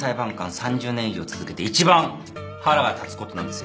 ３０年以上続けて一番腹が立つことなんですよ。